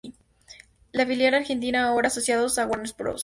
La filial argentina, ahora asociada a Warner Bros.